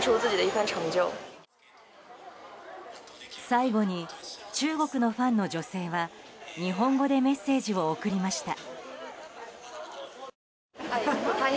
最後に、中国のファンの女性は日本語でメッセージを送りました。